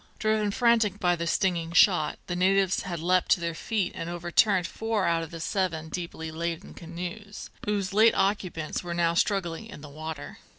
Driven frantic by the stinging shot, the natives had leapt to their feet and overturned four out of the seven deeply laden canoes, whose late occupants were now struggling in the water.